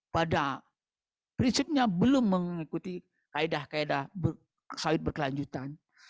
pada prinsipnya belum mengikuti kaedah kaedah sawit berkelanjutan